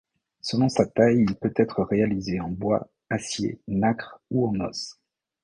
Selon sa taille il peut être réalisé en bois, acier, nacre ou en os.